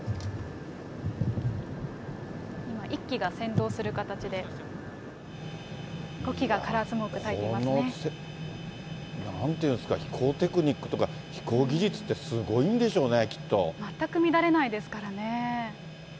今、１機が先導する形で、５機がカラースモークたいていますなんていうんですか、飛行テクニックというか、飛行技術ってすごいんでしょうね、きっ全く乱れないですからね。